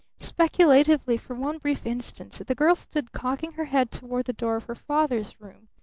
Speculatively for one brief instant the girl stood cocking her head toward the door of her father's room.